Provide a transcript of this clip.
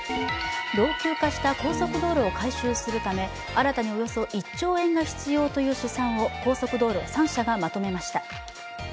老朽化した高速道路を改修するため新たにおよそ１兆円が必要という試算を高速道路３社がまとめました。